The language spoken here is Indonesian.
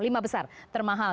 lima besar termahal